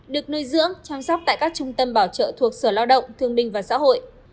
được nuôi dưỡng chăm sóc tại các trung tâm bảo trợ thuộc sở lao động thương binh và xã hội